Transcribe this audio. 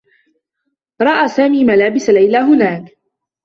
رأى سامي ملابس ليلى هناك.